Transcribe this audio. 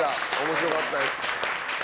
面白かったです。